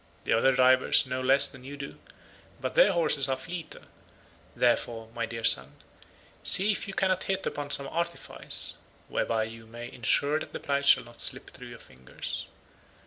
The other drivers know less than you do, but their horses are fleeter; therefore, my dear son, see if you cannot hit upon some artifice whereby you may insure that the prize shall not slip through your fingers.